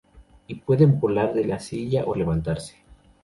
Y pueden volar de la silla o levantarse.